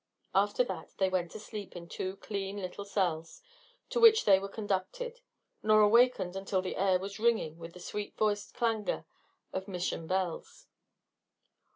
After that they went to sleep in two clean little cells, to which they were conducted, nor awakened until all the air was ringing with the sweet voiced clangor of mission bells.